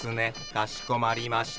かしこまりました。